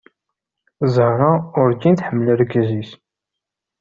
Zahra urǧin tḥemmel argaz-is.